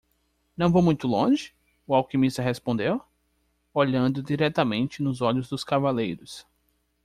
"Não vou muito longe?" o alquimista respondeu? olhando diretamente nos olhos dos cavaleiros.